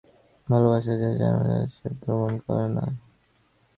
করুণাকে ভালোবাসিয়া যে যায় না, সে ভ্রম যেন কাহারো না হয়।